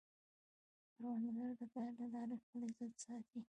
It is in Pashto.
کروندګر د کار له لارې خپل عزت ساتي